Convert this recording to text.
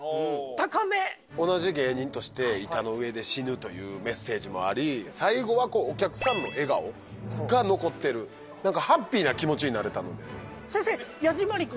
高め同じ芸人として板の上で死ぬというメッセージもあり最後はお客さんの笑顔が残ってる何かハッピーな気持ちになれたので先生